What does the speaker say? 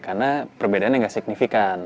karena perbedaannya gak signifikan